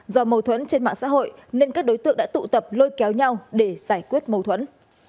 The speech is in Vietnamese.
do mâu thuẫn trên mạng xã hội nên các đối tượng đã tụ tập lôi kéo nhau để giải quyết mâu thuẫn